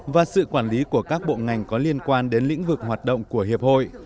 và sự quản lý của các bộ ngành có liên quan đến lĩnh vực hoạt động của hiệp hội